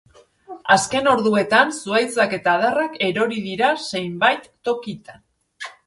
Azken orduetan zuhaitzak eta adarrak erori dira zenbait tokitan.